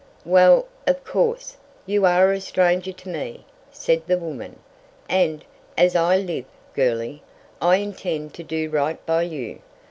"Well, of course, you are a stranger to me," said the woman, "and, as I live, girlie, I intend to do right by you.